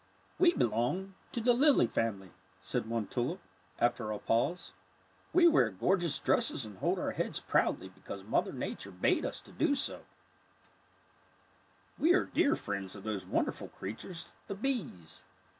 ^' We belong to the lily family/' said one tulip, after a pause. " We wear gorgeous dresses and hold our heads proudly because Mother Nature bade us do so. ^^ We are dear friends of those wonderful creatures, the bees.